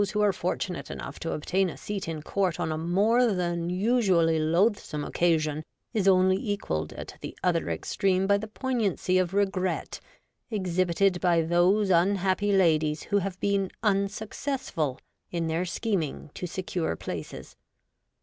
5 who are fortunate enough to obtain a seat in court on a more than usually loathsome occasion is only equalled at the other extreme by the poignancy of regret exhibited by those unhappy ladies who have been unsuccessful in their scheming to secure places.